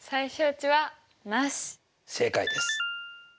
正解です。